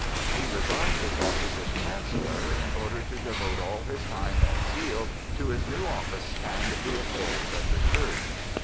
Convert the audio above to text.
He resigned his office as Chancellor in order to devote all his time and zeal to his new office and the affairs of the Church.